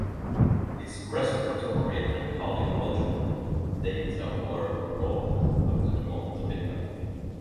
His respiratory and cardiological data were recorded up to moment of impact.